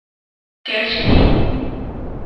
¿Kech nin?